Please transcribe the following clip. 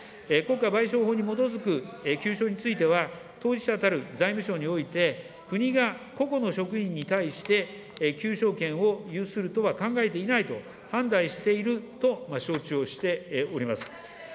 国家賠償法に基づく求償については、当事者たる財務省において、国が個々の職員に対して求償権について有するとは考えていないと判断していると承知をしております。